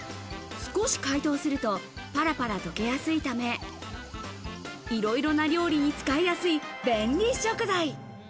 少し解凍するとパラパラ溶けやすいため、いろいろな料理に使いやすい便利食材。